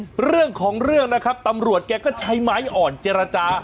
เรื่องของเรื่องนะครับตำรวจแกก็ใช้ไม้อ่อนเจรจา